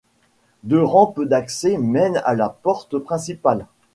Deux rampes d'accès mènent à la porte principale.